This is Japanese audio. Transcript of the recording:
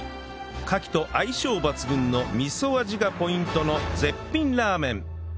カキと相性抜群の味噌味がポイントの絶品ラーメン